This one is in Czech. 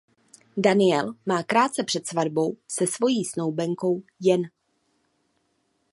Daniel má krátce před svatbou se svojí snoubenkou Jen.